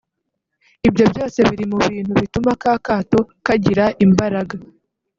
Ibyo byose biri mu bintu bituma ka kato kagira imbaraga